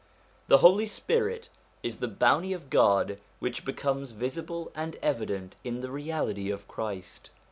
The Holy Spirit is the Bounty of God which becomes visible and evident in the Reality of Christ.